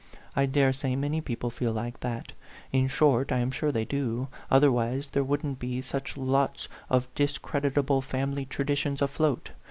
I dare say many people feel like that ; in short, I am sure they do, otherwise there wouldn't be such lots of discreditable family traditions afloat.